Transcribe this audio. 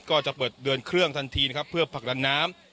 ก็จะเปิดเดินเครื่องทันทีนะครับเพื่อผลักดันน้ำ